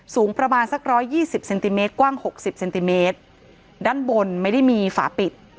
สูงประมาณสักร้อยยี่สิบเซนติเมตรกว้างหกสิบเซนติเมตรด้านบนไม่ได้มีฝาปิด